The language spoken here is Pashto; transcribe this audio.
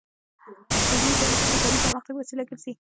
مصنوعي ځیرکتیا د انساني پرمختګ وسیله ګرځي.